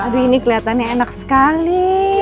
aduh ini kelihatannya enak sekali